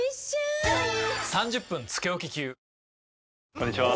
こんにちは。